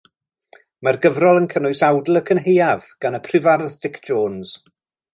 Mae'r gyfrol yn cynnwys awdl Y Cynhaeaf gan y Prifardd Dic Jones.